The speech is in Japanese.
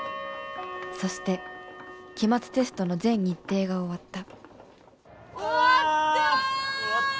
そして期末テストの全日程が終わった終わった！